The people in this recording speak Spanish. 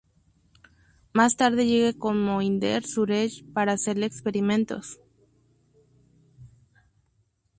Más tarde llega con Mohinder Suresh para hacerle experimentos.